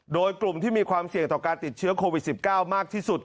โดยกลุ่มที่มีความเสี่ยงต่อการติดเชื้อโควิด๑๙มากที่สุด